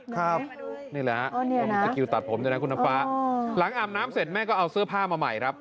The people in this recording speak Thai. ครับนี่แหละมีสกิลตัดผมด้วยนะคุณน้ำฟ้าหลังอาบน้ำเสร็จแม่ก็เอาเสื้อผ้ามาใหม่ครับ